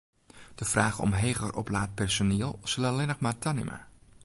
De fraach nei heger oplaat personiel sil allinnich mar tanimme.